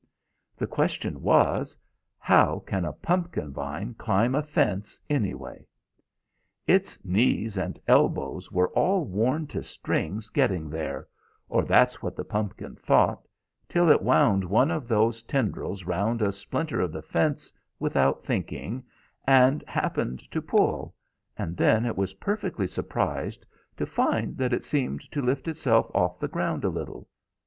The question was, How can a pumpkin vine climb a fence, anyway? "Its knees and elbows were all worn to strings getting there, or that's what the pumpkin thought, till it wound one of those tendrils round a splinter of the fence, without thinking, and happened to pull, and then it was perfectly surprised to find that it seemed to lift itself off the ground a little.